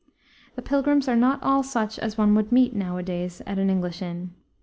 The pilgrims are not all such as one would meet nowadays at an English inn.